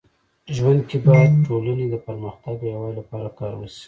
ژوند کي باید ټولني د پرمختګ او يووالي لپاره کار وسي.